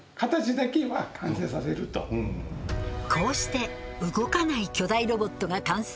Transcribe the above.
こうして動かない巨大ロボットが完成。